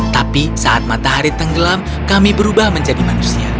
tapi saat matahari tenggelam kami berubah menjadi manusia